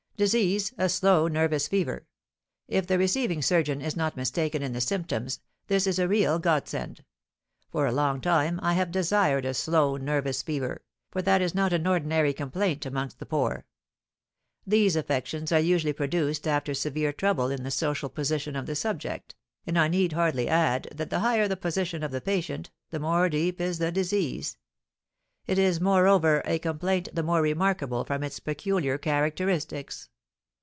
"Disease, a slow nervous fever; if the receiving surgeon is not mistaken in the symptoms, this is a real godsend. For a long time I have desired a slow nervous fever, for that is not an ordinary complaint amongst the poor. These affections are usually produced after severe trouble in the social position of the subject, and I need hardly add that the higher the position of the patient, the more deep is the disease. It is, moreover, a complaint the more remarkable from its peculiar characteristics.